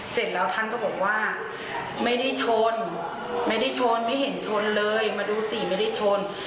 เสร็จแล้วท่านก็บอกว่าไม่ได้ชนไม่ได้ชนไม่เห็นชนเลยมาดูสิไม่ได้ชน